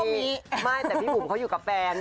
มีไม่แต่พี่บุ๋มเขาอยู่กับแฟน